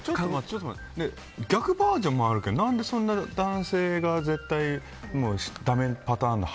逆バージョンもあるけど何で男性が絶対だめパターンの。